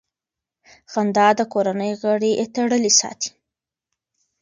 خندا د کورنۍ غړي تړلي ساتي.